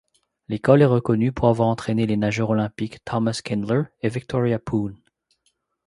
L'école est reconnue pour avoir entraîné les nageurs olympiques Thomas Kindler et Victoria Poon.